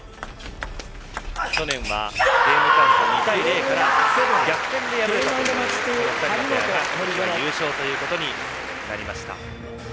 去年はゲームカウント２対０から逆転で敗れたというこの２人のペアが今年は優勝ということになりました。